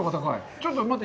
ちょっと待って。